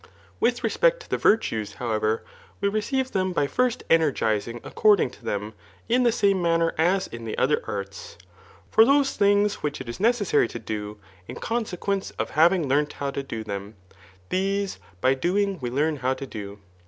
With req>ect to the virtues, however, we receive them by first energizing according to them, in the same manner as in the other arts; forihose things which it is necessary to do, in consequence of having learnt how to do them, these by doing we learn how to do.